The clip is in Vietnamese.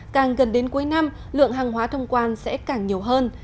càng gần đến cuối năm lượng hàng hóa thông quan sẽ càng nhiều hơn